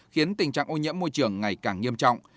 khiến tình trạng ô nhiễm môi trường ngày càng nghiêm trọng